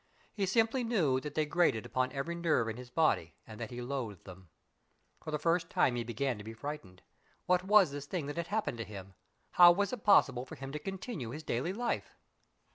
He simply knew that they grated upon every nerve in his body and that he loathed them. For the first time he began to be frightened. What was this thing that had happened to him? How was it possible for him to continue his daily life?